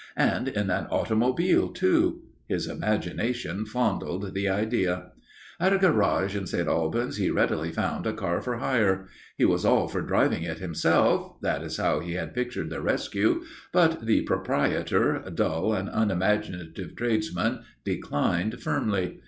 And in an automobile, too! His imagination fondled the idea. At a garage in St. Albans he readily found a car for hire. He was all for driving it himself that is how he had pictured the rescue but the proprietor, dull and unimaginative tradesman, declined firmly.